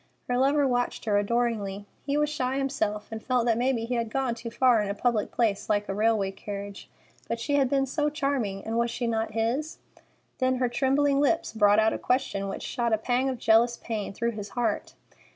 Her lover watched her adoringly. He was shy himself, and felt that maybe he had gone too far in a public place like a railway carriage; but she had been so charming, and was she not his? Then her trembling lips brought out a question which shot a pang of jealous pain through his heart.